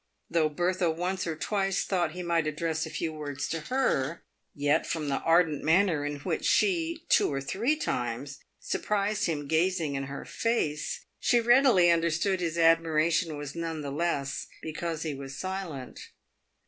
Though Bertha once or twice thought he might address a few words to her, yet from the ardent manner in which she, two or three times, surprised him gazing in her face, she readily understood his admiration was none the less because he was silent.